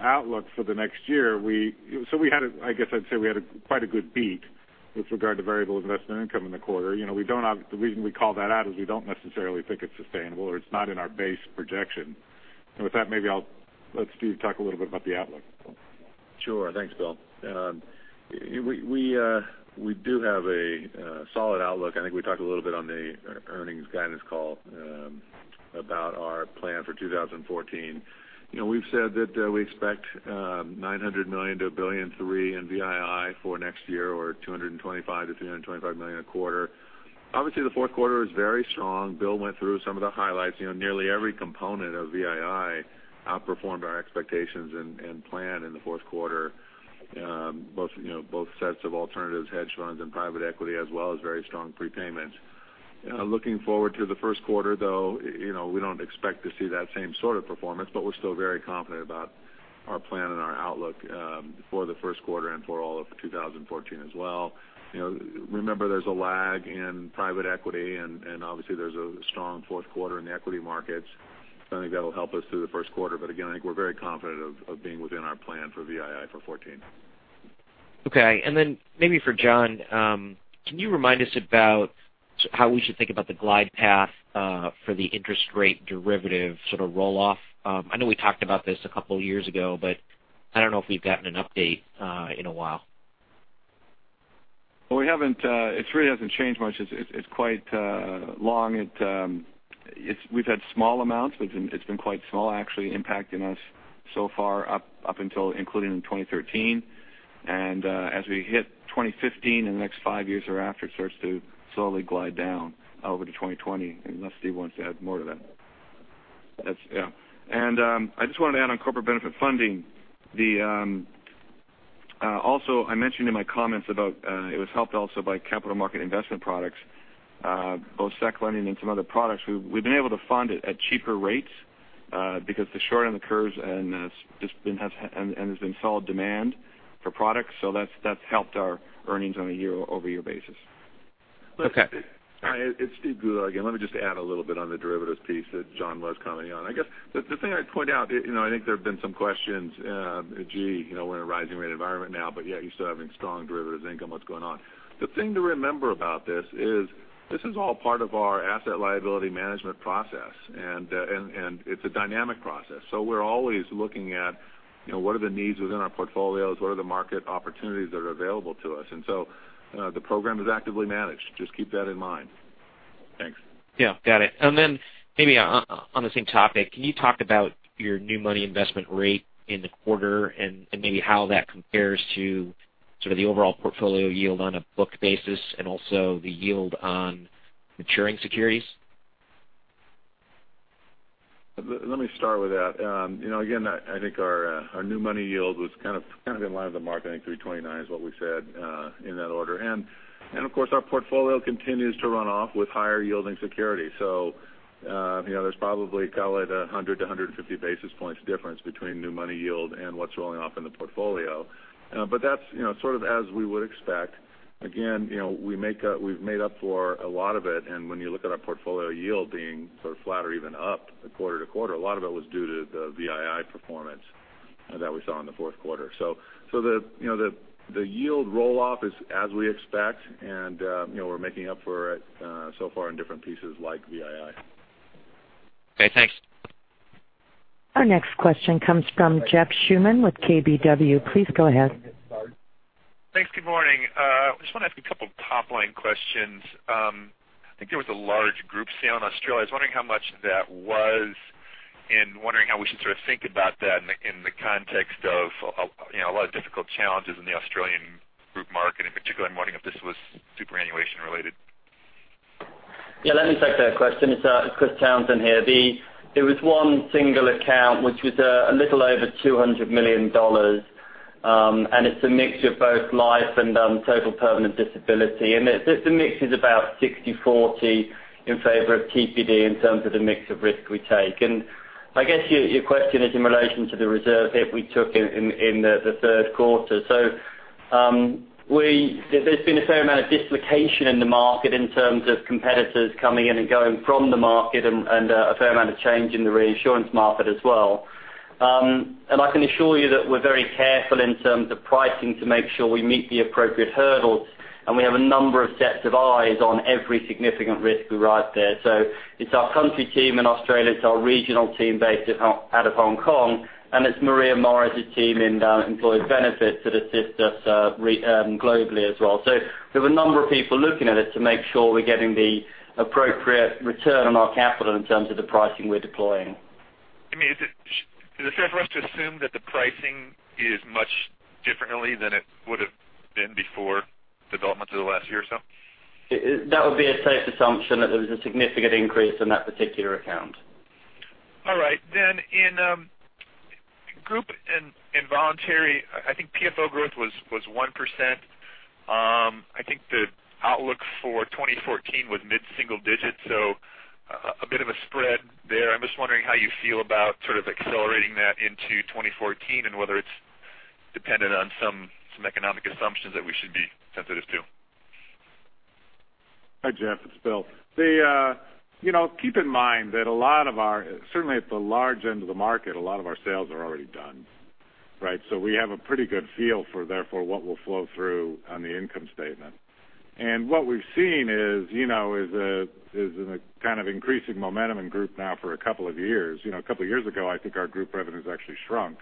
outlook for the next year, I guess I'd say we had quite a good beat with regard to variable investment income in the quarter. The reason we call that out is we don't necessarily think it's sustainable, or it's not in our base projection. With that, maybe I'll let Steve talk a little bit about the outlook. Sure. Thanks, Bill. We do have a solid outlook. I think we talked a little bit on the earnings guidance call about our plan for 2014. We've said that we expect $900 million-$1.3 billion in VII for next year or $225 million-$325 million a quarter. Obviously, the fourth quarter was very strong. Bill went through some of the highlights. Nearly every component of VII outperformed our expectations and plan in the fourth quarter. Both sets of alternatives, hedge funds and private equity, as well as very strong prepayments. Looking forward to the first quarter, though, we don't expect to see that same sort of performance, we're still very confident about our plan and our outlook for the first quarter and for all of 2014 as well. Remember, there's a lag in private equity, obviously, there's a strong fourth quarter in the equity markets. I think that'll help us through the first quarter. Again, I think we're very confident of being within our plan for VII for 2014. Maybe for John, can you remind us about how we should think about the glide path for the interest rate derivative sort of roll-off? I know we talked about this a couple years ago, but I don't know if we've gotten an update in a while. It really hasn't changed much. It's quite long. We've had small amounts. It's been quite small, actually, impacting us so far up until including in 2013. As we hit 2015, in the next five years or after, it starts to slowly glide down over to 2020, unless Steve wants to add more to that. I just wanted to add on corporate benefit funding. Also, I mentioned in my comments about it was helped also by capital market investment products, both Securities lending and some other products. We've been able to fund it at cheaper rates because the short end of the curve and there's been solid demand for products. That's helped our earnings on a year-over-year basis. Okay. It's Steve Goulart again. Let me just add a little bit on the derivatives piece that John was commenting on. I guess the thing I'd point out, I think there have been some questions. Gee, we're in a rising rate environment now, yet you're still having strong derivatives income. What's going on? The thing to remember about this is this is all part of our asset liability management process, and it's a dynamic process. We're always looking at what are the needs within our portfolios, what are the market opportunities that are available to us. The program is actively managed. Just keep that in mind. Thanks. Yeah, got it. Then maybe on the same topic, can you talk about your new money investment rate in the quarter and maybe how that compares to sort of the overall portfolio yield on a book basis and also the yield on maturing securities? Let me start with that. Again, I think our new money yield was kind of in line with the market. I think 329 is what we said in that order. Of course, our portfolio continues to run off with higher yielding security. There's probably call it 100-150 basis points difference between new money yield and what's rolling off in the portfolio. That's sort of as we would expect. Again, we've made up for a lot of it, and when you look at our portfolio yield being sort of flat or even up quarter-to-quarter, a lot of it was due to the VII performance that we saw in the fourth quarter. The yield roll-off is as we expect, and we're making up for it so far in different pieces like VII. Okay, thanks. Our next question comes from Jeff Schuman with KBW. Please go ahead. Thanks. Good morning. I just want to ask a couple of top-line questions. I think there was a large group sale in Australia. I was wondering how much that was and wondering how we should sort of think about that in the context of a lot of difficult challenges in the Australian group market in particular, I'm wondering if this was superannuation related. Yeah, let me take that question. It's Christopher Townsend here. There was one single account, which was a little over $200 million. It's a mixture of both life and total permanent disability, and the mix is about 60/40 in favor of TPD in terms of the mix of risk we take. I guess your question is in relation to the reserve hit we took in the third quarter. There's been a fair amount of dislocation in the market in terms of competitors coming in and going from the market and a fair amount of change in the reinsurance market as well. I can assure you that we're very careful in terms of pricing to make sure we meet the appropriate hurdles, and we have a number of sets of eyes on every significant risk we write there. It's our country team in Australia, it's our regional team based out of Hong Kong, and it's Maria Morris' team in employee benefits that assist us globally as well. There's a number of people looking at it to make sure we're getting the appropriate return on our capital in terms of the pricing we're deploying. Is it fair for us to assume that the pricing is much differently than it would have been before developments of the last year or so? That would be a safe assumption that there was a significant increase in that particular account. All right. In group and voluntary, I think PFO growth was 1%. I think the outlook for 2014 was mid-single digits, so a bit of a spread there. I'm just wondering how you feel about sort of accelerating that into 2014 and whether it's dependent on some economic assumptions that we should be sensitive to. Hi, Jeff, it's Bill. Keep in mind that a lot of our, certainly at the large end of the market, a lot of our sales are already done, right? We have a pretty good feel for therefore what will flow through on the income statement. What we've seen is a kind of increasing momentum in group now for a couple of years. A couple of years ago, I think our group revenues actually shrunk.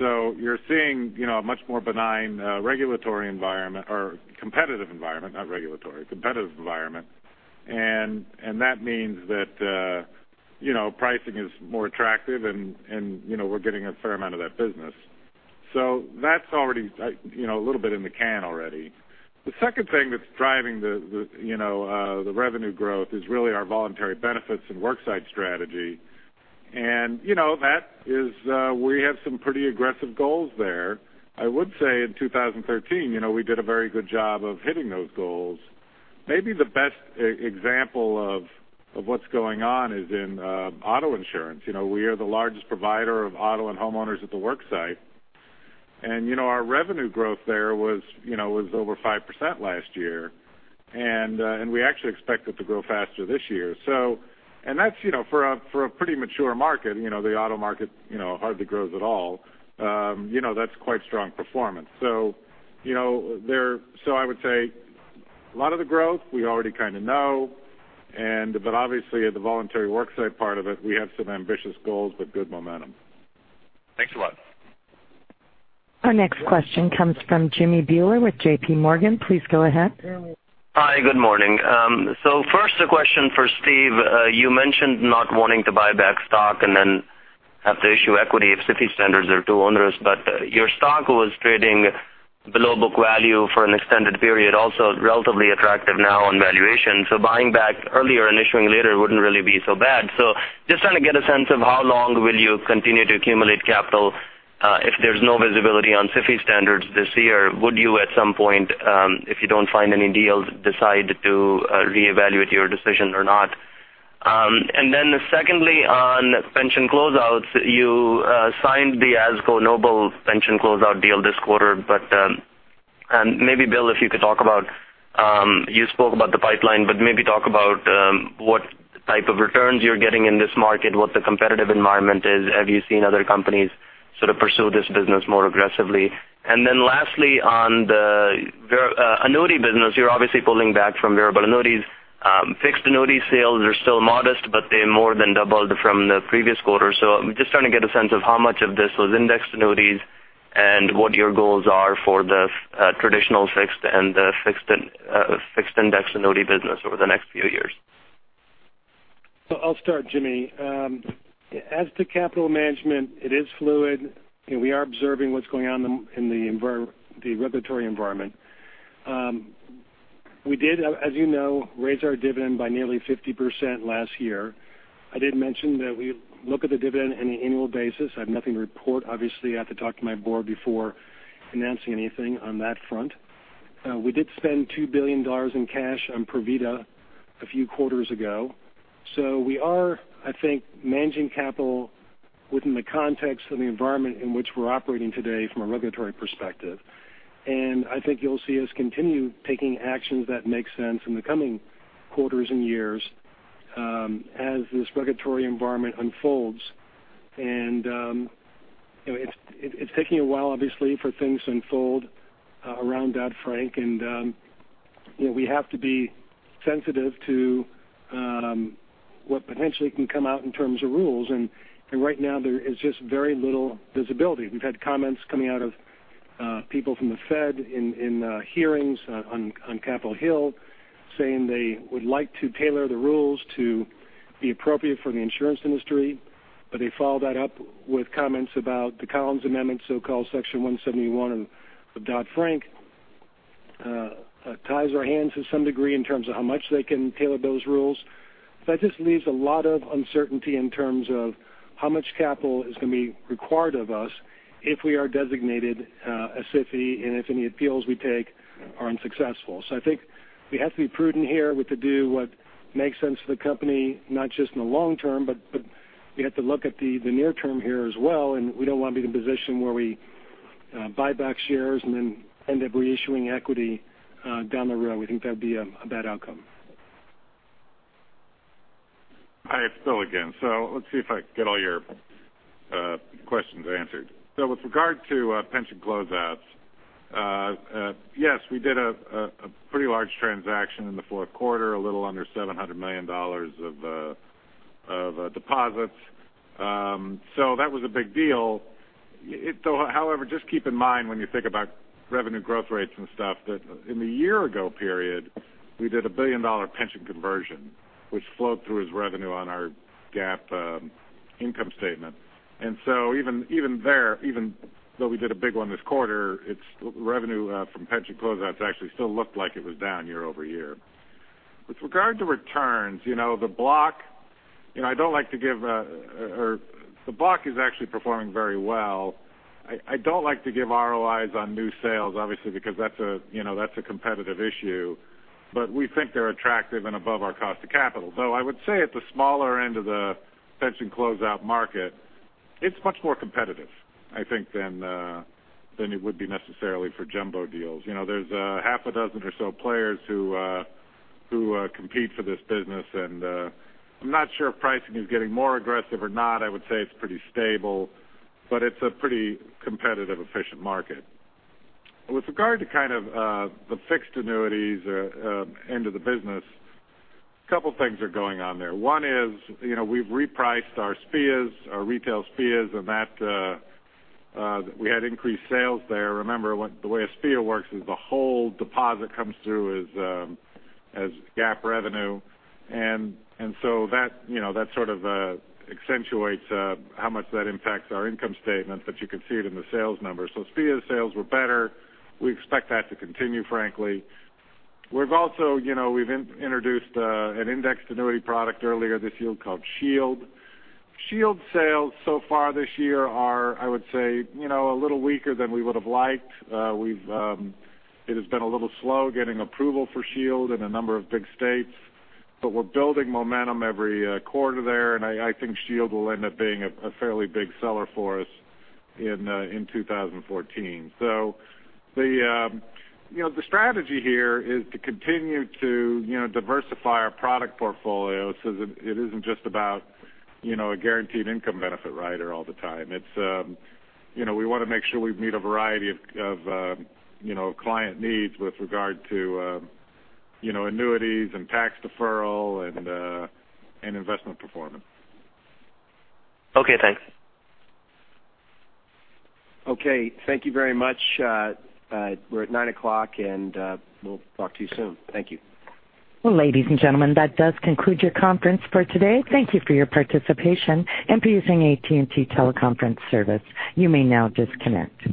You're seeing a much more benign regulatory environment or competitive environment, not regulatory, competitive environment. That means that pricing is more attractive and we're getting a fair amount of that business. That's already a little bit in the can already. The second thing that's driving the revenue growth is really our voluntary benefits and worksite strategy. We have some pretty aggressive goals there. I would say in 2013, we did a very good job of hitting those goals. Maybe the best example of what's going on is in auto insurance. We are the largest provider of auto and homeowners at the worksite. Our revenue growth there was over 5% last year. We actually expect it to grow faster this year. That's for a pretty mature market. The auto market hardly grows at all. That's quite strong performance. I would say a lot of the growth we already kind of know, but obviously at the voluntary worksite part of it, we have some ambitious goals but good momentum. Thanks a lot. Our next question comes from Jimmy Bhullar with J.P. Morgan. Please go ahead. Hi, good morning. First, a question for Steve. You mentioned not wanting to buy back stock and then have to issue equity if SIFI standards are too onerous. Your stock was trading below book value for an extended period, also relatively attractive now on valuation. Buying back earlier and issuing later wouldn't really be so bad. Just trying to get a sense of how long will you continue to accumulate capital if there's no visibility on SIFI standards this year? Would you at some point, if you don't find any deals, decide to reevaluate your decision or not? Secondly, on pension closeouts, you signed the AkzoNobel pension closeout deal this quarter. But maybe Bill, if you could talk about, you spoke about the pipeline, but maybe talk about what type of returns you're getting in this market, what the competitive environment is. Have you seen other companies sort of pursue this business more aggressively? Lastly, on the annuity business, you're obviously pulling back from variable annuities. Fixed annuity sales are still modest, but they more than doubled from the previous quarter. I'm just trying to get a sense of how much of this was indexed annuities and what your goals are for the traditional fixed and the fixed index annuity business over the next few years. I'll start, Jimmy. As to capital management, it is fluid, we are observing what's going on in the regulatory environment. We did, as you know, raise our dividend by nearly 50% last year. I did mention that we look at the dividend on an annual basis. I have nothing to report. Obviously, I have to talk to my board before announcing anything on that front. We did spend $2 billion in cash on Provida a few quarters ago. We are, I think, managing capital within the context of the environment in which we're operating today from a regulatory perspective. I think you'll see us continue taking actions that make sense in the coming quarters and years As this regulatory environment unfolds, it's taking a while, obviously, for things to unfold around Dodd-Frank, and we have to be sensitive to what potentially can come out in terms of rules. Right now, there is just very little visibility. We've had comments coming out of people from the Fed in hearings on Capitol Hill saying they would like to tailor the rules to be appropriate for the insurance industry. They follow that up with comments about the Collins Amendment, so-called Section 171 of Dodd-Frank ties our hands to some degree in terms of how much they can tailor those rules. That just leaves a lot of uncertainty in terms of how much capital is going to be required of us if we are designated a SIFI and if any appeals we take are unsuccessful. I think we have to be prudent here. We have to do what makes sense for the company, not just in the long term, but we have to look at the near term here as well, and we don't want to be in a position where we buy back shares and then end up reissuing equity down the road. We think that'd be a bad outcome. Hi, it's Bill again. Let's see if I get all your questions answered. With regard to pension closeouts, yes, we did a pretty large transaction in the fourth quarter, a little under $700 million of deposits. That was a big deal. However, just keep in mind when you think about revenue growth rates and stuff, that in the year ago period, we did a billion-dollar pension conversion, which flowed through as revenue on our GAAP income statement. Even there, even though we did a big one this quarter, revenue from pension closeouts actually still looked like it was down year-over-year. With regard to returns, the block is actually performing very well. I don't like to give ROIs on new sales, obviously, because that's a competitive issue. We think they're attractive and above our cost of capital, though I would say at the smaller end of the pension closeout market, it's much more competitive, I think, than it would be necessarily for jumbo deals. There's a half a dozen or so players who compete for this business, and I'm not sure if pricing is getting more aggressive or not. I would say it's pretty stable, but it's a pretty competitive, efficient market. With regard to the fixed annuities end of the business, a couple things are going on there. One is, we've repriced our SPIAs, our retail SPIAs, and we had increased sales there. Remember, the way a SPIA works is the whole deposit comes through as GAAP revenue. That accentuates how much that impacts our income statement, but you can see it in the sales numbers. SPIA sales were better. We expect that to continue, frankly. We've also introduced an indexed annuity product earlier this year called SHIELD. SHIELD sales so far this year are, I would say, a little weaker than we would have liked. It has been a little slow getting approval for SHIELD in a number of big states, but we're building momentum every quarter there, and I think SHIELD will end up being a fairly big seller for us in 2014. The strategy here is to continue to diversify our product portfolio so that it isn't just about a guaranteed income benefit rider all the time. We want to make sure we meet a variety of client needs with regard to annuities and tax deferral and investment performance. Okay, thanks. Okay, thank you very much. We're at nine o'clock, we'll talk to you soon. Thank you. Well, ladies and gentlemen, that does conclude your conference for today. Thank you for your participation and for using AT&T Teleconference service. You may now disconnect.